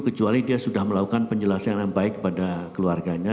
kecuali dia sudah melakukan penjelasan yang baik kepada keluarganya